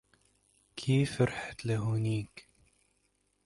كيف رحت لهونيك ؟